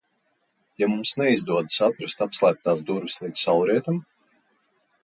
Ja mums neizdodas atrast apslēptās durvis līdz saulrietam?